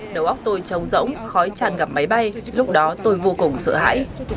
đầu óc tôi trống rỗng khói chàn ngập máy bay lúc đó tôi vô cùng sợ hãi